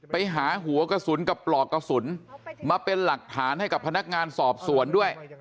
ไปหาหัวกระสุนกับปลอกกระสุนมาเป็นหลักฐานให้กับพนักงานสอบสวนด้วย